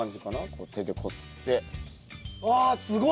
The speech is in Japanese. こう手でこすって。わすごい！